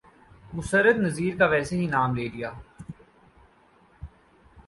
مسرت نذیر کا ویسے ہی نام لے لیا۔